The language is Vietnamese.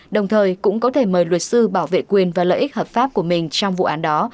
đồng thời cũng có thể mời luật sư bảo vệ quyền và lợi ích hợp pháp của mình trong vụ án đó